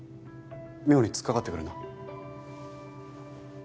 妙につっかかってくるな。